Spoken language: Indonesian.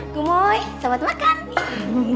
kumoi selamat makan